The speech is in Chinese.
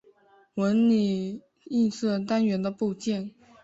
纹理映射单元的部件。